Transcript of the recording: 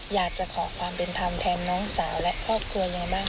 อยากจะขอความเป็นธรรมแทนน้องสาวและครอบครัวยังไงบ้าง